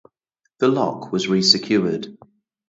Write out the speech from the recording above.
The lock was re-secured.